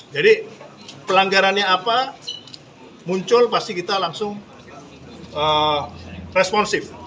jadi pelanggarannya apa muncul pasti kita langsung responsif